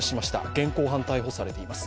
現行犯逮捕されています。